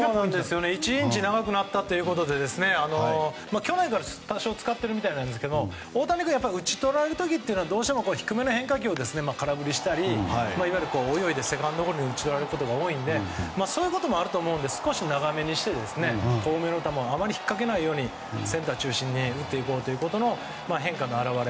１インチ長くなったということで去年から多少使っていたみたいですが大谷君は打ち取られる時はどうしても低めの変化球を空振りしたりいわゆる泳いで、セカンドゴロに打ち取られることが多いのでそういうこともあると思うので少し長めにしてあまり引っ掛けないようにセンター中心に打っていこうということの変化の表れ。